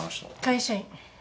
会社員。